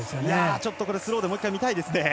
ちょっとスローでもう１回見たいですね。